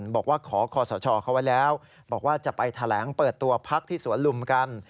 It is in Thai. บอกว่าขอคอสชเขาไว้แล้วบอกว่าจะไปแถลงเปิดตัวพักที่สวนลุมกัน